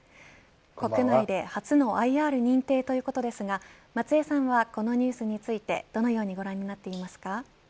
国内で初のＩＲ認定ということですが、松江さんはこのニュースについてどのようにご覧になっていますか。